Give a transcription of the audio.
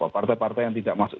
partai partai yang tidak masuk